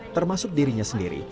termasuk dirinya sendiri